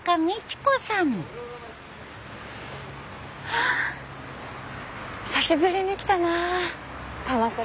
はあ久しぶりに来たな鎌倉。